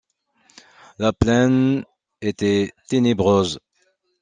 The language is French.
La plaine était ténébreuse.